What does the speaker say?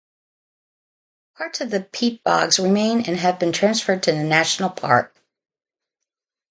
Parts of the peat bogs remain and have been transferred to a national park.